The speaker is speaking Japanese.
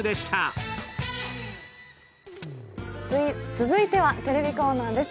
続いてはテレビコーナーです。